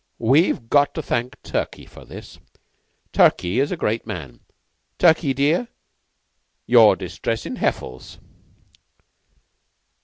"We've got to thank Turkey for this. Turkey is the Great Man. Turkey, dear, you're distressing Heffles."